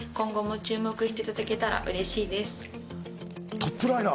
トップライナー。